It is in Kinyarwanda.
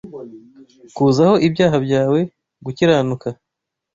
Kuzaho ibyaha byawe gukiranuka